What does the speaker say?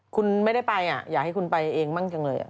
คุณไม่ได้ไปอยากให้คุณไปเองบ้างจังเลย